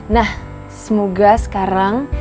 nah semoga sekarang